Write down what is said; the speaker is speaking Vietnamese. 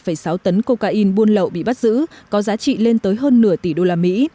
hơn một mươi bảy sáu tấn cocaine buôn lậu bị bắt giữ có giá trị lên tới hơn nửa tỷ đô la mỹ